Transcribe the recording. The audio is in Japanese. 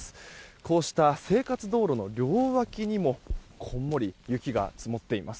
こうした生活道路の両脇にもこんもり雪が積もっています。